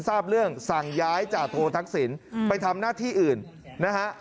ทราบเรื่องสั่งย้ายจาโททักษิณไปทำหน้าที่อื่นนะฮะ